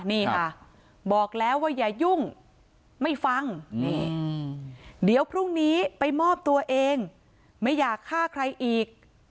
นี่ค่ะบอกแล้วว่าอย่ายุ่งไม่ฟังเดี๋ยวพรุ่งนี้ไปมอบตัวเองไม่อยากฆ่าใครอีก